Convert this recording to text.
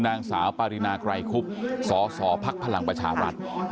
นางสาวปารินาไกรคุบสสพลังประชารัฐ